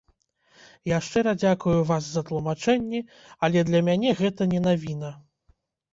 Я шчыра дзякую вас за тлумачэнні, але для мяне гэта не навіна.